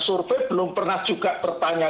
survei belum pernah juga bertanya